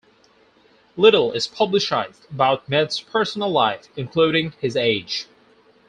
Little is publicized about Metz's personal life, including his age.